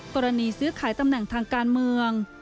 กรณีซื้อขายตำแหน่งทางการเมือง